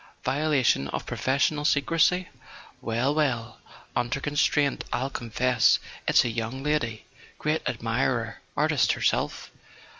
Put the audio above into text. "Violation of professional secrecy ? Well ... Well. .. under con¬ straint I'll confess it's to a young lady: great admirer, artist herself.